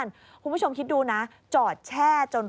นี่ค่ะคุณผู้ชมพอเราคุยกับเพื่อนบ้านเสร็จแล้วนะน้า